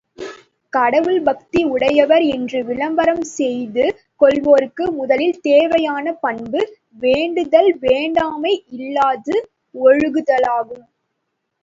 கடவுள் பக்தி உடையவர் என்று விளம்பரம் செய்து கொள்வோருக்கு முதலில் தேவையான பண்பு, வேண்டுதல் வேண்டாமை யில்லாது ஒழுகுதலாகும்.